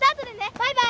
バイバイ。